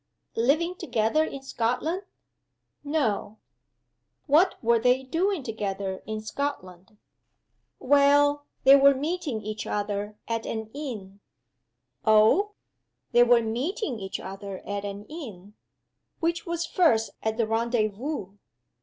"Living together in Scotland?" "No." "What were they doing together in Scotland?" "Well they were meeting each other at an inn." "Oh? They were meeting each other at an inn. Which was first at the rendezvous?"